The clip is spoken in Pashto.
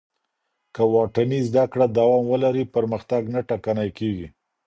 که واټني زده کړه دوام ولري، پرمختګ نه ټکنی کېږي.